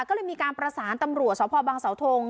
ก็เลยมีการประสานตำรับสวทธิ์ภพบางสาวทง